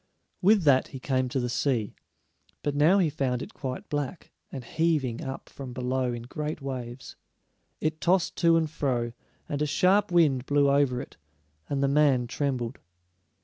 With that he came to the sea, but now he found it quite black, and heaving up from below in great waves. It tossed to and fro, and a sharp wind blew over it, and the man trembled.